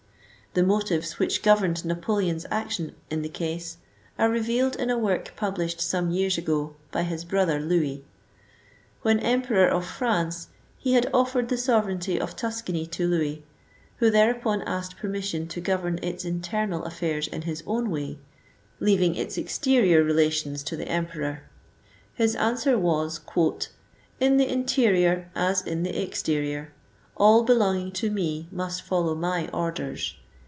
The motives which governed Napoleon's action in the case, are revealed in a work published some years ago by his brother Louis. When Em peror of France, he had offered the sovereignty of Tuscany to Louis, who thereupon asked permission to govern its internal affairs in his own way, leaving its exterior relations to the Emperor. His answer was, " in the interior as in the exterior, all belonging to me must follow my orders.